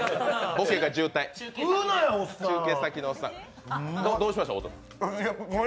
ボケが渋滞、中継先のおっさん。